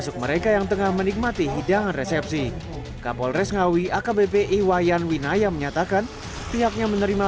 pembuatan pernikahan juga terpaksa dibubarkan polisi